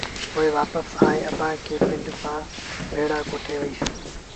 پوء وآپس آئي اڀآنٚ کي پنڊ سآݩٚ ڀيڙآ ڪوٺي وهيٚس